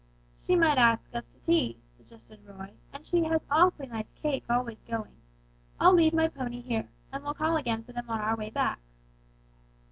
"She might ask us to tea," suggested Roy, "and she has awfully nice cake always going. I'll leave my pony here, and we'll call again for them on our way back."